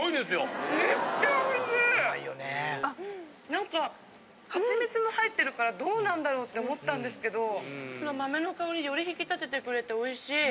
・なんかはちみつも入ってるからどうなんだろうって思ったんですけど豆の香りより引き立ててくれておいしい。